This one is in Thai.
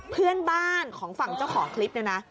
เพื่อนบ้านของฝั่งเจ้าของคลิปเนี่ยนะ